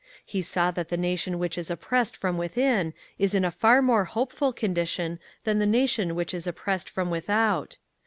He saw that the nation which is oppressed from within is in a far more hopeful condition than the nation which is oppressed from without.